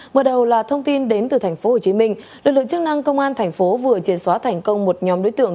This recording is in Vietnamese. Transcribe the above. mở đầu là thông tin đến từ tp hcm lực lượng chức năng công an tp vừa triển xóa thành công một nhóm đối tượng